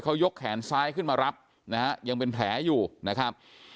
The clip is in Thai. เขายกแขนซ้ายขึ้นมารับนะฮะยังเป็นแผลอยู่นะครับ